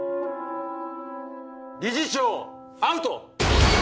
理事長アウト！